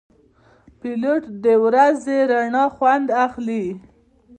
پیلوټ د ورځې رڼا خوند اخلي.